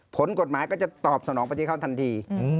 ผลกฎหมายก็จะตอบสนองไปที่เขาทันที